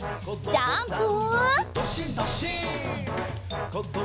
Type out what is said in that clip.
ジャンプ！